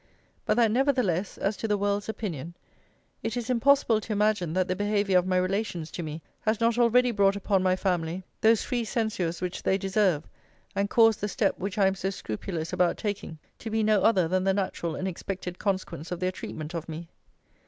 But that nevertheless, as to the world's opinion, it is impossible to imagine that the behaviour of my relations to me has not already brought upon my family those free censures which they deserve, and caused the step which I am so scrupulous about taking, to be no other than the natural and expected consequence of their treatment of me.'